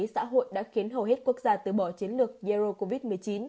xã hội đã khiến hầu hết quốc gia từ bỏ chiến lược zero covid một mươi chín